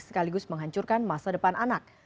sekaligus menghancurkan masa depan anak